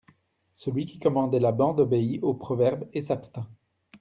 Celui qui commandait la bande obéit au proverbe et s'abstint.